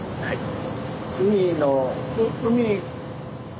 はい。